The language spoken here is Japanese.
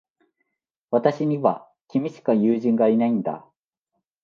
私には、君しか友人がいないんだ。